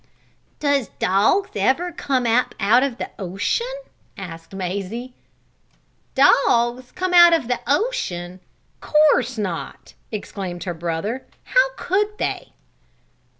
"Does dogs ever come up out of the ocean?" asked Mazie. "Dogs come out of the ocean? Course not!" exclaimed her brother. "How could they?"